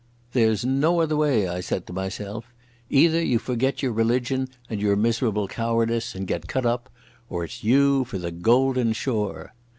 'There's no other way,' I said to myself. 'Either you forget your religion and your miserable cowardice and get cut up, or it's you for the Golden Shore.